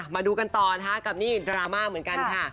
มาดูกันต่อนะคะกับนี่ดราม่าเหมือนกันค่ะ